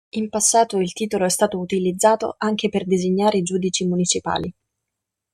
In passato il titolo è stato utilizzato anche per designare giudici municipali.